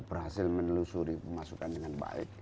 berhasil menelusuri pemasukan dengan baik